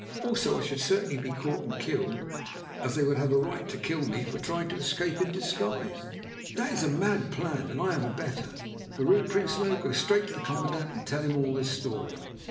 Also I should certainly be caught and killed, as they would have a right to kill me for trying to escape in disguise. That is a mad plan, and I have a better. Vrouw Prinsloo, go straight to the commandant and tell him all this story.